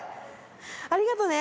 ありがとうね。